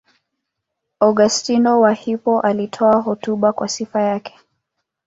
Augustino wa Hippo alitoa hotuba kwa sifa yake.